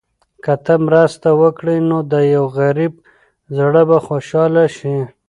که ته مرسته وکړې، نو د یو غریب زړه به خوشحاله شي.